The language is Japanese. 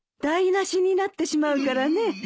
台無しになってしまうからね。